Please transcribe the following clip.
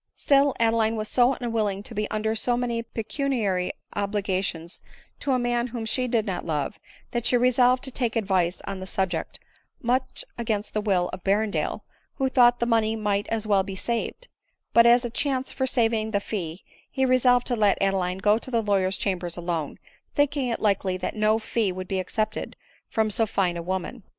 Still Adeline was so unwilling to be under so many pecuniary obligations to a man whom she did not love, that she resolved to take advice on the subject, much against the will of Berrendale, who thought the money might as well be saved ; but as a chance for sav ing the fee he resolved to let Adeline go to the lawyer's chambers alone, thinking it likely that no fee would be accepted from so fine a woman.